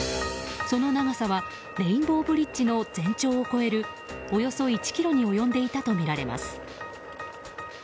その長さはレインボーブリッジの全長を超えるおよそ１ｋｍに及んでいたとみられます。